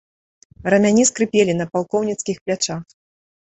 Рамяні скрыпелі на палкоўніцкіх плячах.